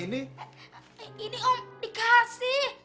ini om dikasih